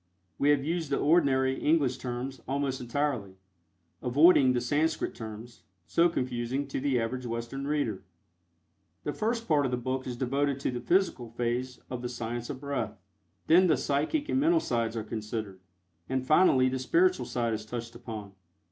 We have used the ordinary English terms, almost entirely, avoiding the Sanscrit terms, so confusing to the average Western reader. The first part of the book is devoted to the physical phase of the Science of Breath; then the psychic and mental sides are considered, and finally the spiritual side is touched upon.